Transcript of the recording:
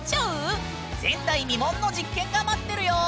前代未聞の実験が待ってるよ！